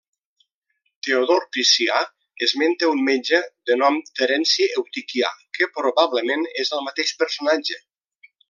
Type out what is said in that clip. Teodor Priscià esmenta un metge de nom Terenci Eutiquià que probablement és el mateix personatge.